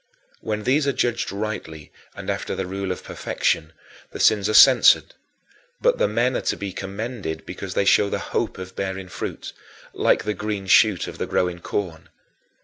When these are judged rightly and after the rule of perfection, the sins are censored but the men are to be commended because they show the hope of bearing fruit, like the green shoot of the growing corn.